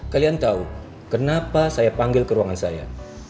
kalian tahu kenapa saya panggil ke ruangan saya